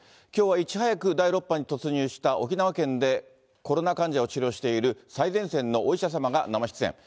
きょうはいち早く、第６波に突入した沖縄県で、コロナ患者を治療している最前線のお医者様が生出演。